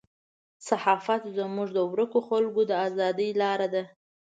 صحافت زموږ د ورکو خلکو د ازادۍ لاره ده.